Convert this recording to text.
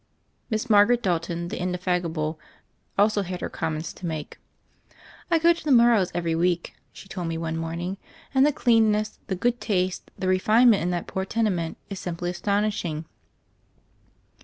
"" Miss Margaret Dalton, the indefatigable, also had her comments to make. "I go to the Morrows every week," she told me one morning, "and the cleanness, the good taste, the refinement in that poor tenement is simply astonishing.